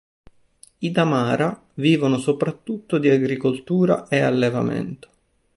I Damara vivono soprattutto di agricoltura e allevamento.